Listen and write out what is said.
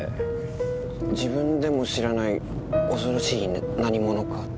自分でも知らない恐ろしい何ものか。